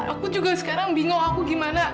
aku juga sekarang bingung aku gimana